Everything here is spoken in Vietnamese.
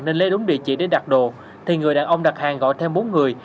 nên lấy đúng địa chỉ để đặt đồ thì người đàn ông đặt hàng gọi thêm bốn người